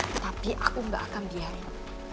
tapi aku gak akan biarin